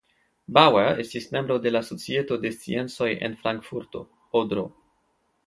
Bauer estis membro de la Societo de Sciencoj en Frankfurto (Odro).